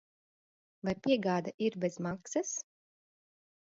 Vai piegāde ir bez maksas?